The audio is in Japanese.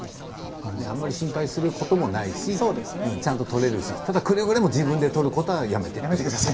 あまり心配することはないし取れるし、ただくれぐれも自分で取ることはやめてください